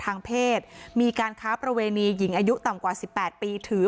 ทางเพศมีการค้าประเวณีหญิงอายุต่ำกว่า๑๘ปีถือ